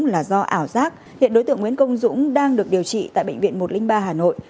nguyễn công dũng là do ảo giác hiện đối tượng nguyễn công dũng đang được điều trị tại bệnh viện một trăm linh ba hà nội